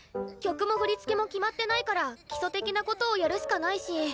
曲も振り付けも決まってないから基礎的なことをやるしかないし。